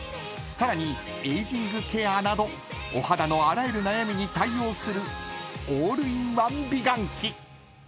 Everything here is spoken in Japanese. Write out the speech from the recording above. さらにエイジングケアなどお肌のあらゆる悩みに対応するオールインワン美顔器］